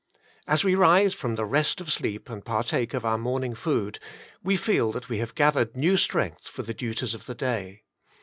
As we rise from the rest o.f sleep and partake of our morning food, we feel that we have gathered new strength for the duties of the day.